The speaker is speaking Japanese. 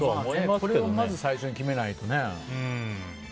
それをまず最初に決めないとね。